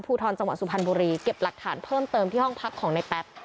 ภูทรจังหวัดสุพรรณบุรีเก็บหลักฐานเพิ่มเติมที่ห้องพักของในแป๊บ